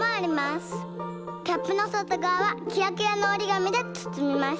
キャップのそとがわはキラキラのおりがみでつつみました。